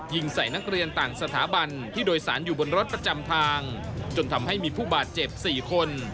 ยิงใส่นักเรียนต่างสถาบันที่โดยสารอยู่บนรถประจำทางจนทำให้มีผู้บาดเจ็บ๔คน